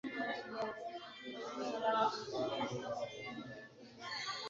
ufalme huo uliwekwa chini ya ulinzi wa Dola la Roma